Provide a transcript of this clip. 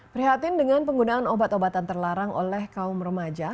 prihatin dengan penggunaan obat obatan terlarang oleh kaum remaja